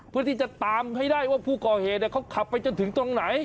เพื่อที่จะตามให้ได้ว่าผู้ก่อเหตุเขาขับไปจนถึงตรงไหน